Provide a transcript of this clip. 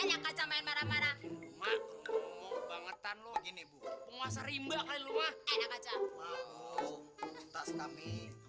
enggak main marah marah banget anlo gini buku penguasa rimba kali lu mah enak aja mau tas kami